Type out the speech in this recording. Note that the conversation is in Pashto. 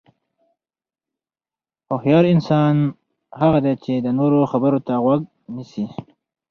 هوښیار انسان هغه دی چې د نورو خبرو ته غوږ نیسي.